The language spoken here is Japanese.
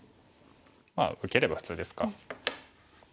まあ受ければ普通ですか。